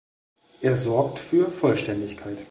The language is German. Er sorgt für Vollständigkeit.